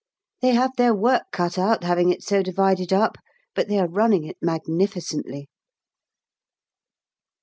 They have their work cut out having it so divided up, but they are running it magnificently.